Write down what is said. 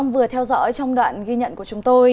vừa theo dõi trong đoạn ghi nhận của chúng tôi